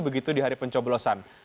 begitu di hari pencoblosan